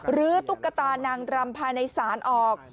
ตุ๊กตานางรำภายในศาลออก